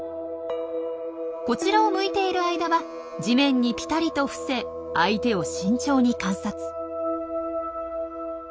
こちらを向いている間は地面にピタリと伏せ相手を慎重に観察。